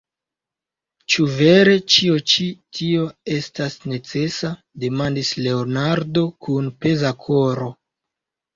Ĉu vere ĉio ĉi tio estas necesa? demandis Leonardo kun peza koro.